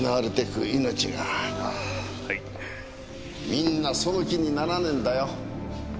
みんなその気にならねえんだよ。